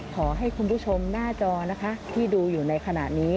ขอให้คุณผู้ชมหน้าจอนะคะที่ดูอยู่ในขณะนี้